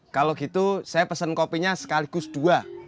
kalau gitu saya pesen kopinya sekaligus dua